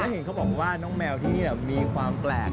เห็นเขาบอกว่าน้องแมวที่มีความแปลก